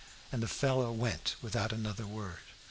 And the fellow went without another word.